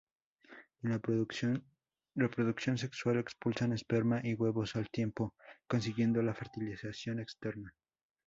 En la reproducción sexual expulsan esperma y huevos al tiempo, consiguiendo la fertilización externa.